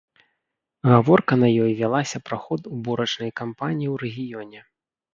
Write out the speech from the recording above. Гаворка на ёй вялася пра ход уборачнай кампаніі ў рэгіёне.